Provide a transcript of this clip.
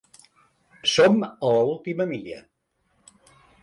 Som a l’última milla.